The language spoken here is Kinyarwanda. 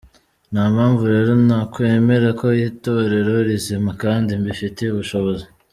Nta mpamvu rero nakwemera ko itorero rizima kandi mbifitiye ubushobozi.